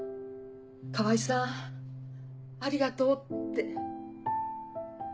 「川合さんありがとう」って。